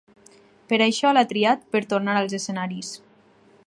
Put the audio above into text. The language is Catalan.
Per això l’ha triat per tornar als escenaris.